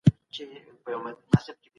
خلک به د تعلیم ارزښت پېژندلی وي.